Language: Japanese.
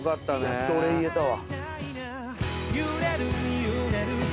やっとお礼言えたわ。